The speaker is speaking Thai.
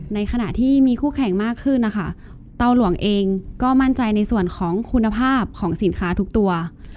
ในขณะที่มีคู่แข่งมากขึ้นนะคะเตาหลวงเองก็มั่นใจในส่วนของคุณภาพของสินค้าทุกตัว